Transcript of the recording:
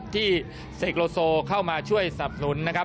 ที่เสกโลโซเข้ามาช่วยสับหนุนนะครับ